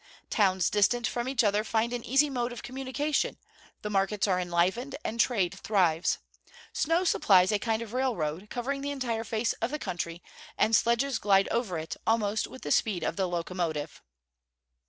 Towns distant from each other find an easy mode of communication; the markets are enlivened, and trade thrives. Snow supplies a kind of railroad, covering the entire face of the country, and sledges glide over it, almost with the speed of the locomotive.